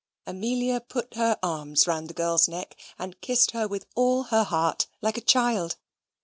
Amelia put her arms round the girl's neck and kissed her with all her heart, like a child.